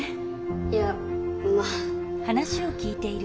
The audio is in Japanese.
いやまあ。